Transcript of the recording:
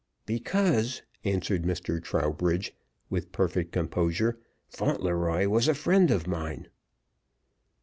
"Because," answered Mr. Trowbridge, with perfect composure, "Fauntleroy was a friend of mine."